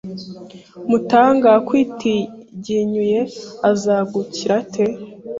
Mutaga wakwitiginyuye azagukira ate